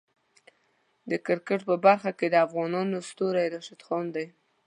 د کرکټ په برخه کې د افغانو ستوری راشد خان دی.